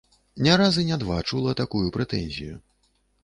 Не раз і не два чула такую прэтэнзію.